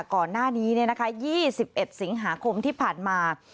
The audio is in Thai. ก่อนหน้านี้๒๑สิงหาคมที่ผ่านมา